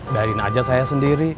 dariin aja saya sendiri